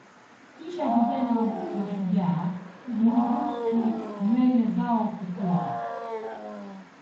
Kisha vijana mashujaa huruhusu nywele zao kukua